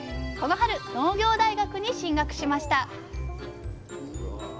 この春農業大学に進学しましたうわ